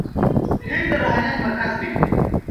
هند د روحانيت مرکز دی.